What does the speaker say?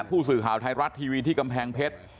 ผู้สื่อข่าวไทยรัฐทีวีที่กำแพงเพชร